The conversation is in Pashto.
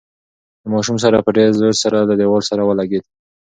د ماشوم سر په ډېر زور سره له دېوال سره ولګېد.